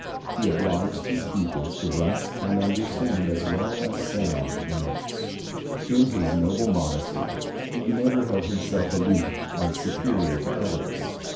He obliged his pupils to write and understand as well as sound the notes. In his noble modesty he never held himself aloof as superior to others.